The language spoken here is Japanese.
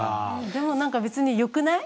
でも何か別によくない？